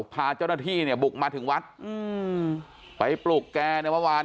พาเจ้าหน้าที่เนี่ยบุกมาถึงวัดอืมไปปลุกแกในเมื่อวาน